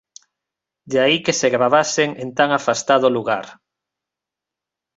De aí que se gravasen en tan afastado lugar.